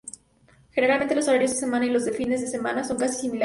Generalmente, los horarios de semana y los de fin de semana son casi similares.